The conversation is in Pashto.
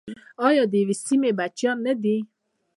آیا د یوې سیمې بچیان نه دي؟